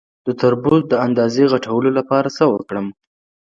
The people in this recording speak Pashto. د تربوز د اندازې غټولو لپاره څه وکړم؟